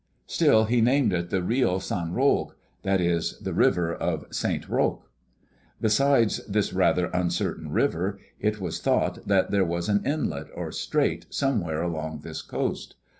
Still, he named it the Rio San Roque; that is, the River of Saint Roque. Besides this rather uncertain river, it was thought that there was an inlet, or strait, somewhere along this coast.